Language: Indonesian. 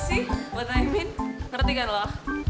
see what i mean ngerti kan lo